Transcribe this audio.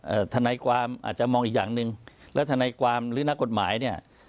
ทนายความอาจจะมองอีกอย่างหนึ่งแล้วทนายความหรือนักกฎหมายเนี่ย